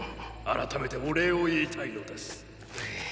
改めてお礼を言いたいのです」。